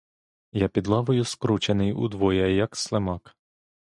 Я під лавою, скручений удвоє, як слимак.